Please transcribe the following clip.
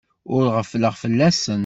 Ur ɣeffleɣ fell-asen.